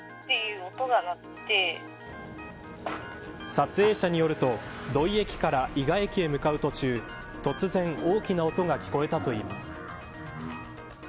撮影者によると土井駅から伊賀駅へ向かう途中突然、大きな音が聞こえたといいます。